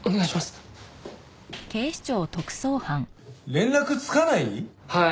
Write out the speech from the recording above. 連絡つかない？